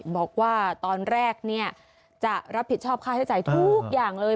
บอกว่าตอนแรกจะรับผิดชอบค่าใช้จ่ายทุกอย่างเลย